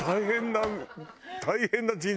大変な。